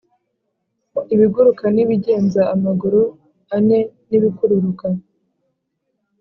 ibiguruka n’ibigenza amaguru ane n’’ibikururuka